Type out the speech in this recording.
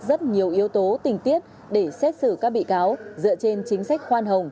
rất nhiều yếu tố tình tiết để xét xử các bị cáo dựa trên chính sách khoan hồng